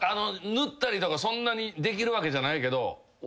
塗ったりとかそんなにできるわけじゃないけど。